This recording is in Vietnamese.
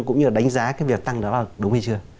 cũng như đánh giá việc tăng đó là đúng hay chưa